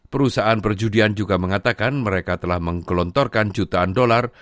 perusahaan perjudian juga mengatakan mereka telah menggelontorkan jutaan dolar